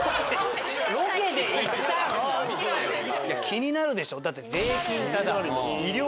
気になるでしょ。